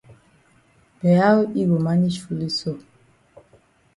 But how yi go manage foolish so?